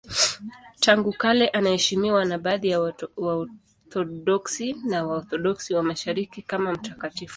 Tangu kale anaheshimiwa na baadhi ya Waorthodoksi na Waorthodoksi wa Mashariki kama mtakatifu.